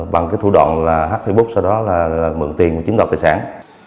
bằng cái thủ đoạn là hát facebook sau đó là mượn tiền chiếm đoạt tài sản